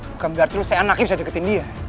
bukan berarti lo saya anaknya bisa deketin dia